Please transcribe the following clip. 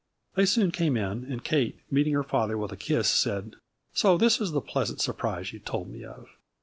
They soon came in and Kate meeting her father with a kiss said, " So this is the pleas ant surprise you told me of?